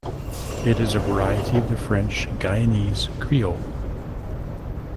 It is a variety of the French Guianese Creole.